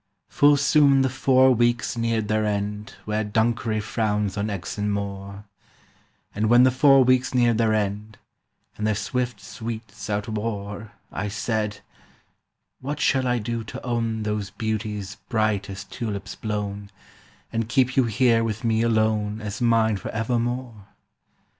"Full soon the four weeks neared their end Where Dunkery frowns on Exon Moor; And when the four weeks neared their end, And their swift sweets outwore, I said, 'What shall I do to own Those beauties bright as tulips blown, And keep you here with me alone As mine for evermore?